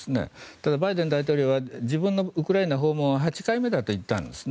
ただ、バイデン大統領は自分のウクライナ訪問は８回目だと言ったんですね。